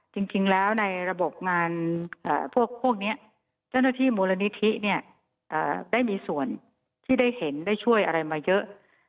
จริงแล้วในระบบงานพวกนี้เจ้าหน้าที่มูลนิธิเนี่ยได้มีส่วนที่ได้เห็นได้ช่วยอะไรมาเยอะ